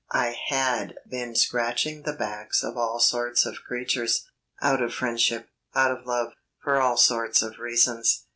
I had been scratching the backs of all sorts of creatures; out of friendship, out of love for all sorts of reasons.